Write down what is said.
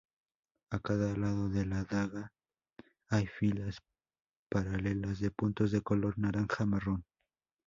A cada lado de la daga hay filas paralelas de puntos de color naranja-marrón.